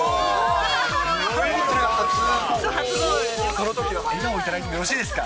そのときの笑顔頂いてもよろしいですか？